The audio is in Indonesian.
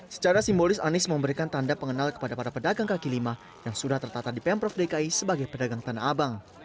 secara simbolis anies memberikan tanda pengenal kepada para pedagang kaki lima yang sudah tertata di pemprov dki sebagai pedagang tanah abang